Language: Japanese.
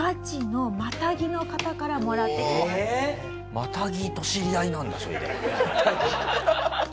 マタギと知り合いなんだそれで。